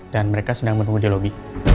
dan mereka sedang menunggu di lobi